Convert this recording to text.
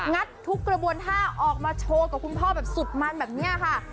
ทุกกระบวนท่าออกมาโชว์กับคุณพ่อแบบสุดมันแบบนี้ค่ะ